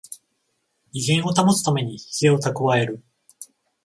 威厳を保つためにヒゲをたくわえる